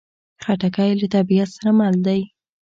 خټکی له طبیعت سره مل دی.